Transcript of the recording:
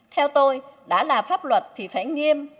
theo tôi đã là pháp luật thì phải nghiêm